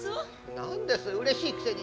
何ですうれしいくせに。